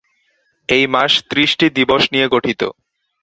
এই মাস ত্রিশটি দিবস নিয়ে গঠিত।